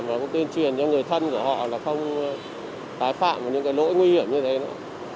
và cũng tuyên truyền cho người thân của họ là không tái phạm những cái lỗi nguy hiểm như thế nữa